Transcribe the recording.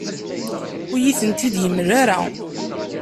Ur iyi-tent-id-yemla ara.